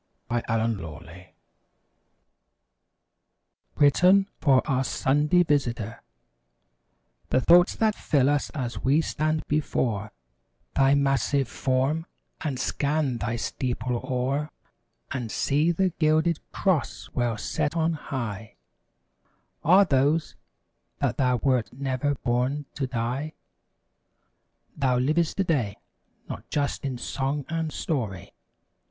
THE MOTHER CHURCH {Written for "Our Sunday Visitor') The thoughts that fill us as we stand before Thy massive form and scan thy steeple o'er And see the gilded cross well set on high Are those: That thou wert never born to die! Thou liv'st today, not just in song and story.